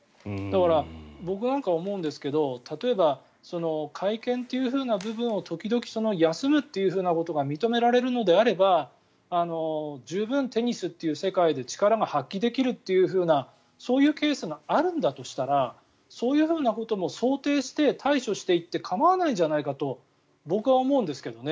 僕なんか思うんですけど例えば会見という部分を時々休むということが認められるのであれば十分、テニスという世界で力が発揮できるというようなそういうケースがあるんだとしたらそういうことも想定して対処していって構わないんじゃないかと僕は思うんですけどね。